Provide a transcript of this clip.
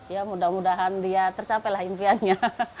ya mudah mudahan dia tercapai lah impiannya